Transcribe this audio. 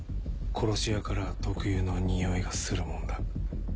殺し屋からは特有のにおいがするもんだ。